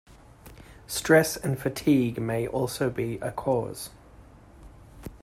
Stress and fatigue may also be a cause.